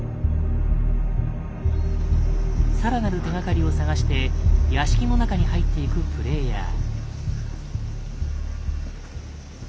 更なる手がかりを探して屋敷の中に入っていくプレイヤー。